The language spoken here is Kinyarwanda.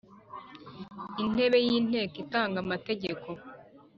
Intebe y'inteko itange amategeko